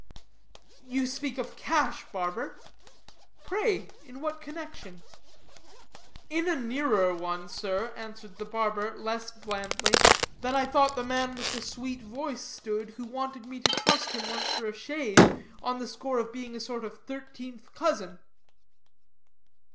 "You speak of cash, barber; pray in what connection?" "In a nearer one, sir," answered the barber, less blandly, "than I thought the man with the sweet voice stood, who wanted me to trust him once for a shave, on the score of being a sort of thirteenth cousin."